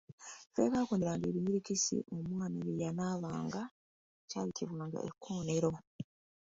Ekifo we baakooneranga ebinyirikisi omwana bye yanaabanga kyayitibwanga ekkoonero.